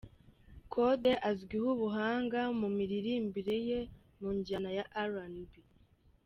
Kode azwiho ubuhanga mu miririmbire ye, mu njyana ya RnB.